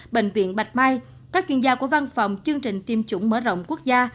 bệnh viện bạch mai các chuyên gia của văn phòng chương trình tiêm chủng mở rộng quốc gia